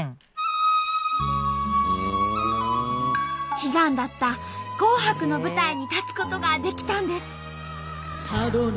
悲願だった「紅白」の舞台に立つことができたんです。